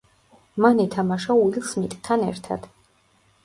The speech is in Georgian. მან ითამაშა უილ სმიტთან ერთად.